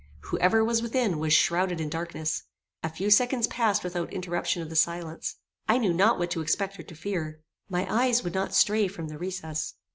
Whoever was within, was shrouded in darkness. A few seconds passed without interruption of the silence. I knew not what to expect or to fear. My eyes would not stray from the recess.